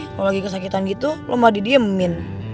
kalo lagi kesakitan gitu lo mah didiemin